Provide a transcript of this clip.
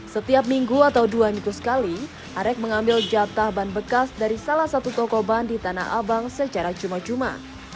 setiap minggu atau dua minggu sekali arek mengambil jatah ban bekas dari salah satu toko ban di tanah abang secara cuma cuma